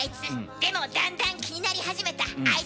でもだんだん気になり始めたアイツのこと。